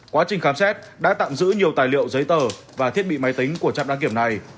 quá trình khám xét đã tạm giữ nhiều tài liệu giấy tờ và thiết bị máy tính của trạm đăng kiểm này